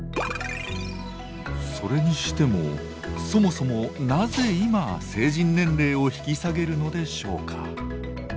それにしてもそもそもなぜ今成人年齢を引き下げるのでしょうか。